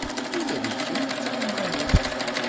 Ula d kemm d Talmanit?